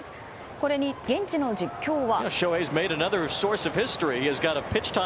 これに現地の実況は。